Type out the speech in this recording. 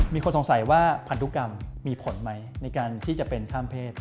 มีคนสงสัยว่าพันธุกรรมมีผลไหมในการที่จะเป็นข้ามเพศ